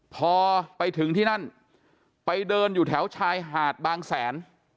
พอไปถึงที่นั่นไปเดินอยู่แถวชายหาดบางแสน